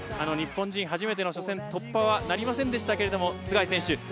日本人初めての初戦突破はなりませんでしたが須貝選手